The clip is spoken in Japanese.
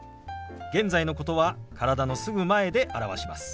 現在のことは体のすぐ前で表します。